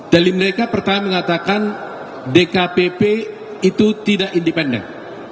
dalil mereka pertama mengatakan dkpp itu tidak independen